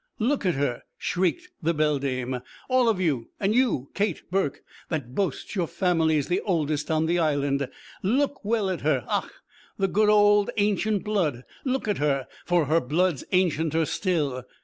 'Look at her,' shrieked the beldame, 'all of you, and you, Kate Burke, that boasts your family's the oldest on the Island. Look well at her! Och, the good ould ancient blood! Look at her, for her blood's ancienter still.